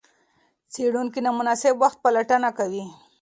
څېړونکي د مناسب وخت پلټنه کوي.